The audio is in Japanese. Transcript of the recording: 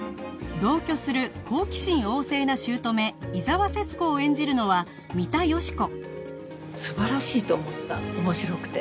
同居する好奇心旺盛な姑伊沢節子を演じるのは三田佳子